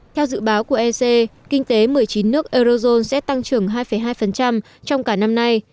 theo dự báo của ec kinh tế một mươi chín nước eurozone sẽ tăng trưởng hai hai trong cả năm nay